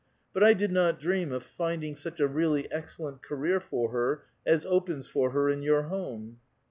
But I did not dream of finding such a really excellent career for her as opens for her in your home."